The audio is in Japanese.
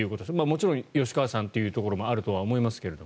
もちろん吉川さんというところもあるとは思いますけど。